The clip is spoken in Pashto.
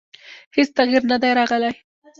هېڅ تغیر نه دی راغلی.